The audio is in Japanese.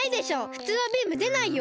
ふつうはビームでないよ！